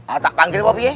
otak panggil wopie